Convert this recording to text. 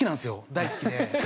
大好きで。